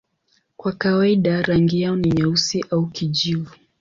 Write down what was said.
Kwa kawaida rangi yao ni nyeusi au kijivu.